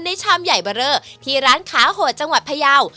ในชามใหญ่เบอร์เลอร์ที่ร้านก๋วยเตี๋ยวหมูตุ๋นข้าวโหดจังหวัดพระเยา